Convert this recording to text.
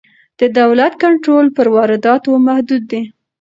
د دولت کنټرول پر وارداتو محدود دی.